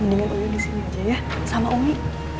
mendingan uin disini aja ya sama umi